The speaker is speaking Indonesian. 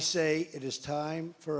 saya mengatakan saatnya untuk kita